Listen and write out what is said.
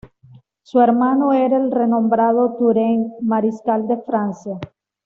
Su hermano era el renombrado Turenne, Mariscal de Francia.